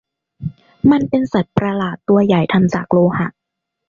มันเป็นสัตว์ประหลาดตัวใหญ่ทำจากโลหะ